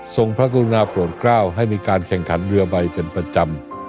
พระกรุณาโปรดกล้าวให้มีการแข่งขันเรือใบเป็นประจำ